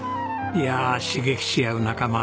いや刺激し合う仲間。